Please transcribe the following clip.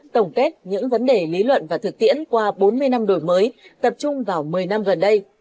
tổng kết những vấn đề lý luận và thực tiễn qua bốn mươi năm đổi mới tập trung vào một mươi năm gần đây